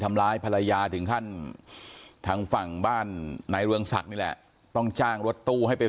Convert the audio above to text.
ทำร้ายภรรยาถึงขั้นทางฝั่งบ้านนายเรืองศักดิ์นี่แหละต้องจ้างรถตู้ให้ไป